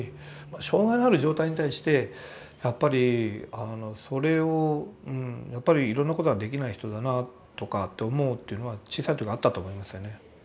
障害のある状態に対してやっぱりあのそれをやっぱりいろんなことができない人だなとかって思うというのは小さい時あったと思いますよね。